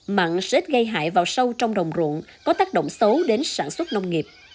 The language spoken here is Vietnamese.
mặn sẽ gây hại vào sâu trong đồng ruộng có tác động xấu đến sản xuất nông nghiệp